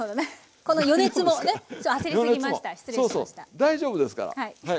大丈夫ですから。